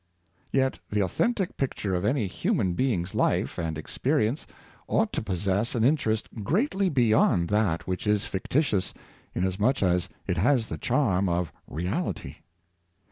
Yet the authentic picture of any human being's life and experience ought to possess an interest greatly beyond that which is fictitious, inasmuch as it has the charm of reality.